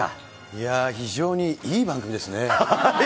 いやー、非常にいい番組ですね。